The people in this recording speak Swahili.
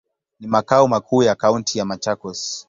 Ni makao makuu ya kaunti ya Machakos.